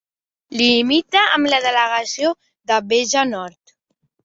Limita amb la delegació de Béja Nord.